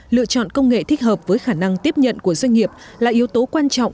lựa chọn công nghệ thích hợp với khả năng tiếp nhận của doanh nghiệp là yếu tố quan trọng